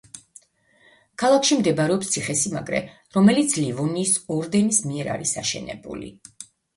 ქალაქში მდებარეობს ციხესიმაგრე, რომელიც ლივონიის ორდენის მიერ არის აშენებული.